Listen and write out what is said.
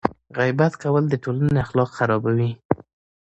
غیبت کول د ټولنې اخلاق خرابوي.